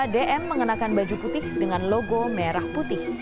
dm mengenakan baju putih dengan logo merah putih